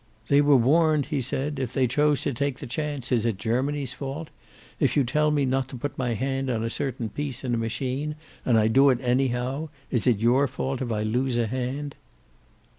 "They were warned," he said. "If they chose to take the chance, is it Germany's fault? If you tell me not to put my hand on a certain piece in a machine and I do it anyhow, is it your fault if I lose a hand?"